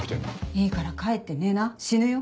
いいから帰って寝な死ぬよ。